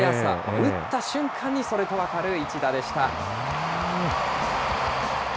打った瞬間にそれと分かる一打でした。